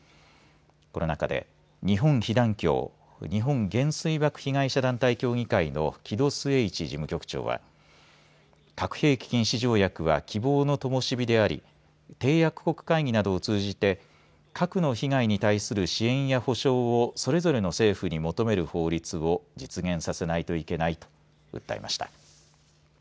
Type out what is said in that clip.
この中で日本被団協日本原水爆被害者団体協議会の木戸季市事務局長は核兵器禁止条約は希望の灯火であり締約国会議などを通じて核の被害に対する支援や補償をそれぞれの政府に求める法律を実現させないといけないと訴えました。